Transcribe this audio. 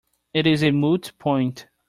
It is a moot point.